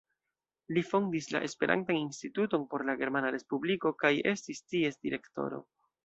Li fondis la Esperantan Instituton por la Germana Respubliko kaj estis ties direktoro.